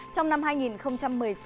trong năm hai nghìn một mươi sáu